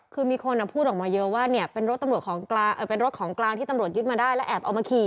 คือมีคนพูดออกมาเยอะว่าเนี่ยเป็นรถตำรวจเป็นรถของกลางที่ตำรวจยึดมาได้แล้วแอบเอามาขี่